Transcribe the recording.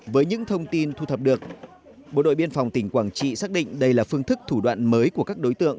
với những thông tin thu thập được bộ đội biên phòng tỉnh quảng trị xác định đây là phương thức thủ đoạn mới của các đối tượng